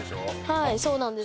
はいそうなんです